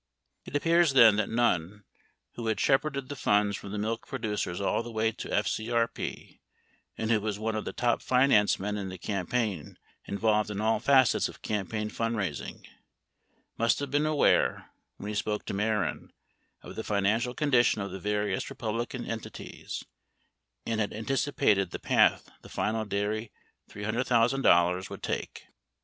It appears then, that Nunn, who had shepherded the funds from the milk producers all the way to FCRP and who was one of the top finance men in the campaign involved in all facets of campaign fundraising, must have been aware, when he spoke to Mehren, of the financial condition of the various Republican entities and had antici pated the path the final dairy $300,000 would take.